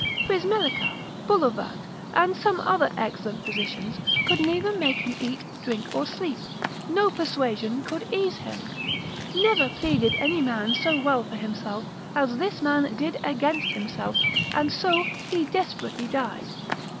Frismelica, Bullovat, and some other excellent physicians, could neither make him eat, drink, or sleep, no persuasion could ease him. Never pleaded any man so well for himself, as this man did against himself, and so he desperately died.